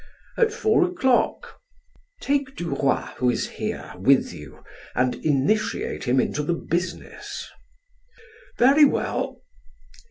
"At four o'clock." "Take Duroy, who is here, with you and initiate him into the business." "Very well."